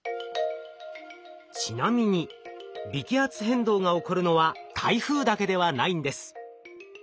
ちなみに微気圧変動が起こるのは台風だけではないんです。